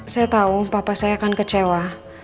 saya tahu papa saya akan kecewa